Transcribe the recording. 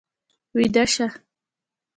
ويده شه.